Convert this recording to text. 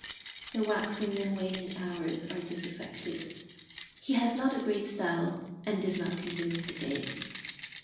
The waxing and waning hours are disaffected. He has not a great style, and does not convince the day.